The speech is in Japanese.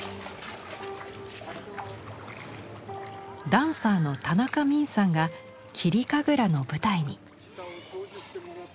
ダンサーの田中泯さんが「霧神楽」の舞台に。